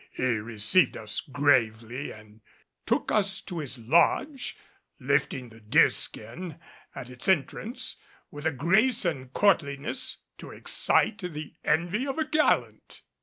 He received us gravely and took us to his lodge, lifting the deerskin at its entrance with a grace and courtliness to excite the envy of a gallant.